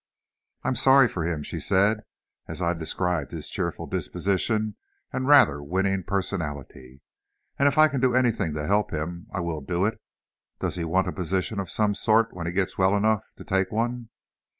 "I am sorry for him," she said, as I described his cheerful disposition and rather winning personality, "and if I can do anything to help him, I will do it. Does he want a position of some sort when he gets well enough to take one?"